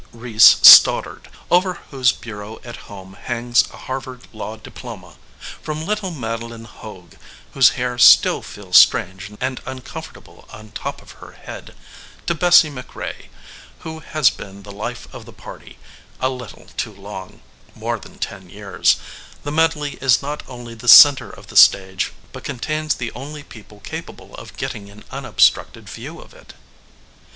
Reece Stoddard, over whose bureau at home hangs a Harvard law diploma; from little Madeleine Hogue, whose hair still feels strange and uncomfortable on top of her head, to Bessie MacRae, who has been the life of the party a little too long more than ten years the medley is not only the centre of the stage but contains the only people capable of getting an unobstructed view of it.